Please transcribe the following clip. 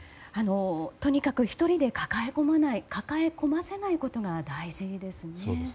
とにかく１人で抱え込まない抱え込ませないことが大事ですね。